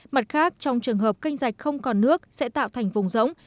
mặt khác trong trường hợp canh rạch không còn nước sẽ tạo thành vùng rỗng